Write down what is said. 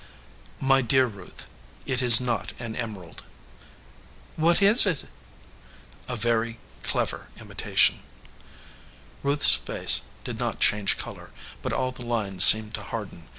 "My dear Ruth, it is not an emerald." "What is it?" "A very clever imitation." Ruth s face did not change color, but all the lines seemed to harden.